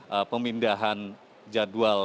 yang terakhir di malaya adalah